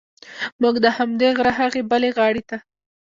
موږ د همدې غره هغې بلې غاړې ته.